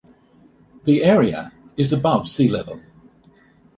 The area is above sea-level.